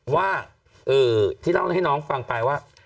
ว่าที่เล่าให้น้องฟังไปว่า